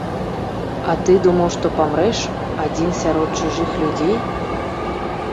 А ты думаў, што памрэш, адзін сярод чужых людзей?